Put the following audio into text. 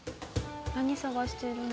何探してるの？